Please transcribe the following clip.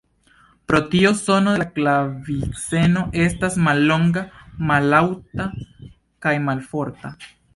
Pro tio sono de klaviceno estas mallonga, mallaŭta kaj malforta.